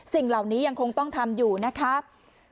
สิ่งเหล่านี้ยังคงต้องทำอยู่นะครับ